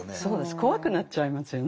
怖くなっちゃいますよね。